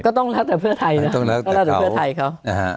ก็ต้องแล้วแต่เพื่อไทยนะก็ต้องแล้วแต่เพื่อไทยเขา